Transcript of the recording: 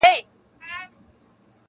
چي به کله د دمې لپاره تم سو -